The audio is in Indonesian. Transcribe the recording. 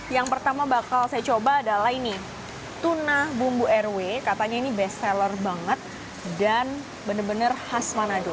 yang pertama bakal saya coba adalah ini tuna bumbu rw katanya ini best seller banget dan bener bener khas manado